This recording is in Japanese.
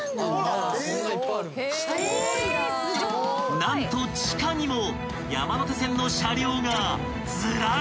［何と地下にも山手線の車両がずらり！］